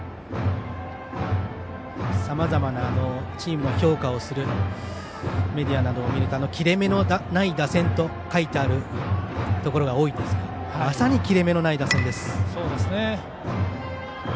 さまざまなチームの評価をするメディアなどを見ると切れ目のない打線と書いてあるところが多いんですがまさに切れ目のない打線です。